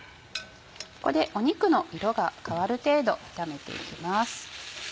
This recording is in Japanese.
ここで肉の色が変わる程度炒めて行きます。